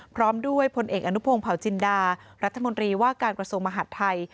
พร้อมด้วยพลเอกอนุพงศ์เผาจินดารัฐมนตรีว่าการกระทรวงมหาดไทย